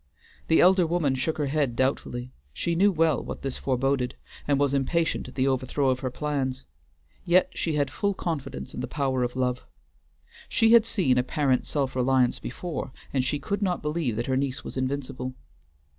The elder woman shook her head doubtfully; she knew well what this foreboded, and was impatient at the overthrow of her plans; yet she had full confidence in the power of Love. She had seen apparent self reliance before, and she could not believe that her niece was invincible.